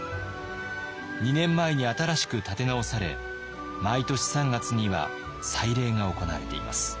２年前に新しく建て直され毎年３月には祭礼が行われています。